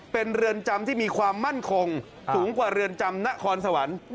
เป็นเรือนจำที่มีความมั่นคงสูงกว่าเรือนจำนครสวรรค์